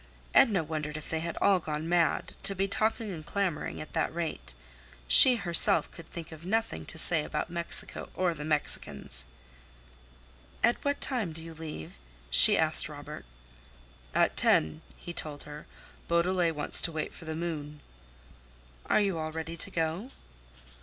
Edna wondered if they had all gone mad, to be talking and clamoring at that rate. She herself could think of nothing to say about Mexico or the Mexicans. "At what time do you leave?" she asked Robert. "At ten," he told her. "Beaudelet wants to wait for the moon." "Are you all ready to go?"